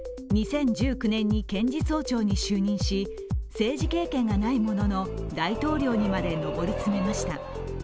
２０１９年に検事総長に就任し政治経験がないものの大統領にまで上り詰めました。